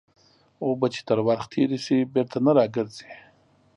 اوبه چې تر ورخ تېري سي بېرته نه راګرځي.